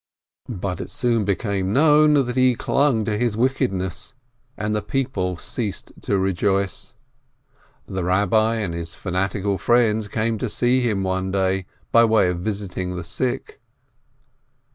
But it soon became known that he clung to his wicked ness, and people ceased to rejoice. The Eabbi and his fanatical friends came to see him one day by way of visiting the sick.